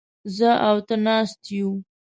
زه او ته ناست يوو.